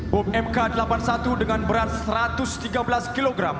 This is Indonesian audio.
bom mk delapan puluh satu dengan berat satu ratus tiga belas kg